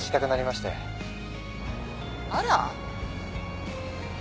あら。